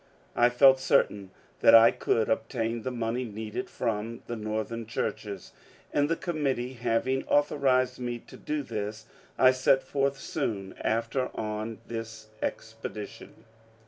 I felt certain that I could obtain the money needed from the Northern churches, and the committee having authorized me to do this, I set forth soon after on this expedition.